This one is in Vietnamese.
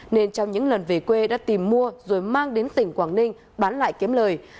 nên trong những lần về quê đã tìm mua rồi mang đến tỉnh quảng ninh bán lại kiếm lời